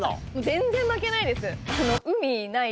全然負けないです。